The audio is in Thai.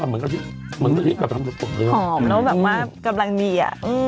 แล้วเราจะเกิดเกี่ยวกันหน่ะพี่นะดูซิ